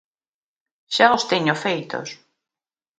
Xa os teño feitos.